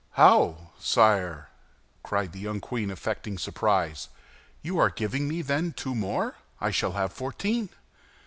"How, sire?" cried the young queen, affecting surprise, "you are giving me, then, two more: I shall have fourteen."